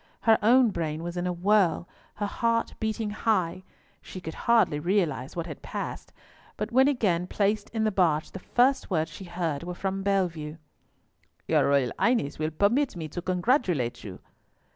Her own brain was in a whirl, her heart beating high; she could hardly realise what had passed, but when again placed in the barge the first words she heard were from Bellievre. "Your Royal Highness will permit me to congratulate you."